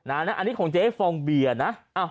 อันนี้ของเจ๊ฟองเบียร์นะ